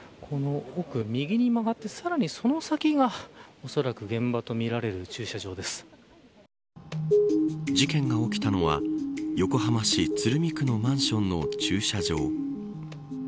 この奥、右に曲がってさらにその先がおそらく現場とみられる事件が起きたのは横浜市鶴見区のマンションの駐車場。